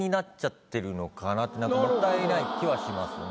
もったいない気はしますね。